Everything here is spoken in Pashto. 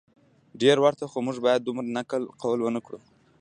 ډیر ورته خو موږ باید دومره نقل قول ونه کړو